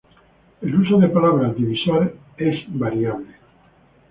El uso de palabras-divisores es variable.